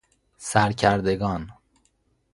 سرکردگان